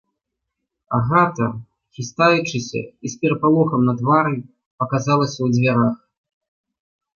Агата, хістаючыся і з перапалохам на твары, паказалася ў дзвярах.